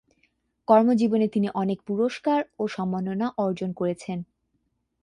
কর্মজীবনে তিনি অনেক পুরস্কার ও সম্মাননা অর্জন করেছেন।